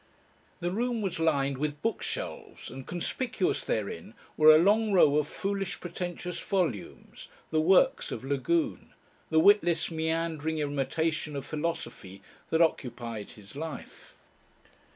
The room was lined with bookshelves, and conspicuous therein were a long row of foolish pretentious volumes, the "works" of Lagune the witless, meandering imitation of philosophy that occupied his life.